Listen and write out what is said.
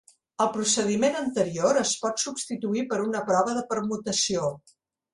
El procediment anterior es pot substituir per una prova de permutació.